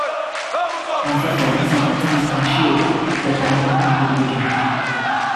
Once the flying sequence is initiated, the time limit will begin.